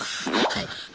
はい。